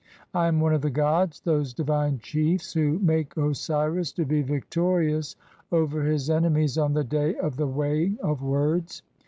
I am one of the gods, those "divine chiefs, who make (7) Osiris to be victorious over his "enemies on the day of the weighing of words.